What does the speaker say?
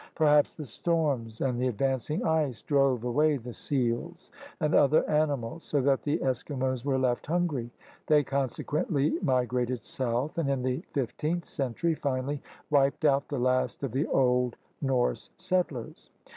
Perhaps the storms and the advancing ice drove away the seals and other animals, so that the Eski mos were left hungry. They consequently mi grated south and, in the fifteenth century, finally wiped out the last of the old Norse settlers.